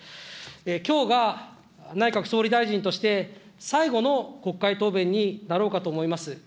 きょうが内閣総理大臣として最後の国会答弁になろうかと思います。